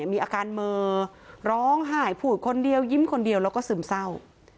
มีอาการเมอร้องไห้พูดคนเดียวยิ้มคนเดียวแล้วก็ซึมเศร้า